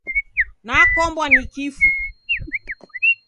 Nakombwa ni kifu.